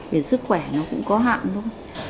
về sức khỏe nó cũng có hạn luôn